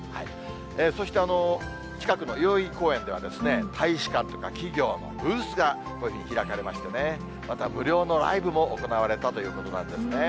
そして、近くの代々木公園では、大使館とか、企業のブースが開かれましてね、また無料のライブも行われたということなんですね。